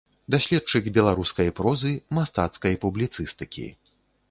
Даследчык беларускай прозы, мастацкай публіцыстыкі.